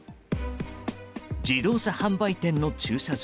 自動車販売店の駐車場。